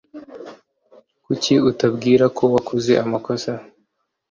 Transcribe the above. Kuki utabwira ko wakoze amakosa?